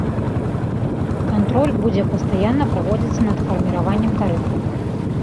Кантроль будзе пастаянна праводзіцца над фарміраваннем тарыфаў.